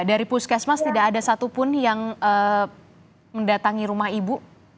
dari puskesmas tidak ada satupun yang mendatangi rumah ibu